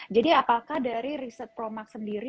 jadi apakah dari riset promax sendiri